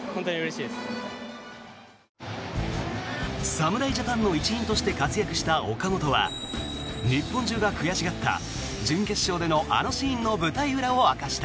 侍ジャパンの一員として活躍した岡本は日本中が悔しがった準決勝でのあのシーンの舞台裏を明かした。